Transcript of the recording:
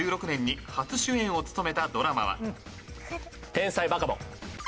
『天才バカボン』。